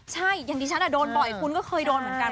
ใช่อย่างที่ฉันโดนบ่อยคุณก็เคยโดนเหมือนกัน